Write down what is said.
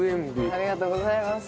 ありがとうございます。